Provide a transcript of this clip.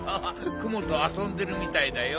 クモとあそんでるみたいだよ。